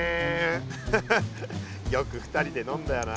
フフよく２人で飲んだよな。